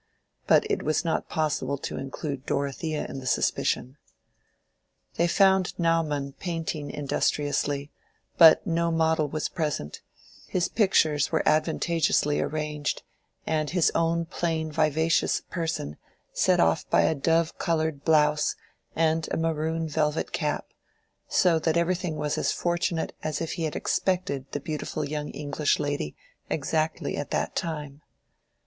But it was not possible to include Dorothea in the suspicion. They found Naumann painting industriously, but no model was present; his pictures were advantageously arranged, and his own plain vivacious person set off by a dove colored blouse and a maroon velvet cap, so that everything was as fortunate as if he had expected the beautiful young English lady exactly at that time.